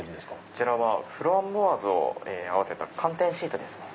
こちらフランボワーズを合わせた寒天シートですね。